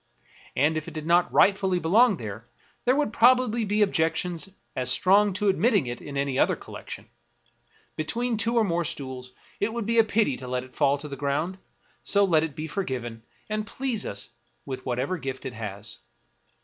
And if it did not rightfully belong here, there would probably be objections as strong to admitting it in any other collection. Between two or more stools, it would be a pity to let it fall to the ground ; so let it be forgiven, and please us with whatever gift it has.